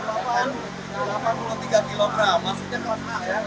maksudnya kelas a ya